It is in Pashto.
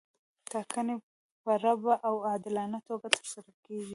ټاکنې په رڼه او عادلانه توګه ترسره کیږي.